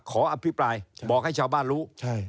อภิปรายบอกให้ชาวบ้านรู้